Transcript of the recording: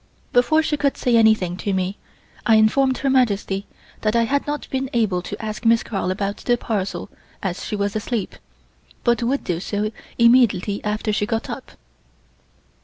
Before she could say anything to me, I informed Her Majesty that I had not been able to ask Miss Carl about the parcel as she was asleep, but would do so immediately she got up.